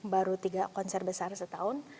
baru tiga konser besar setahun